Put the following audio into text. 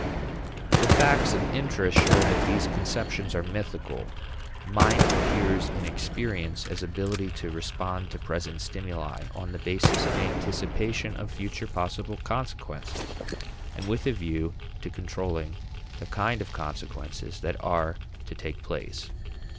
The facts of interest show that these conceptions are mythical. Mind appears in experience as ability to respond to present stimuli on the basis of anticipation of future possible consequences, and with a view to controlling the kind of consequences that are to take place.